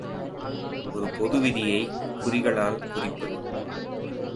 ஒரு பொது விதியைக் குறிகளால் குறிப்பது.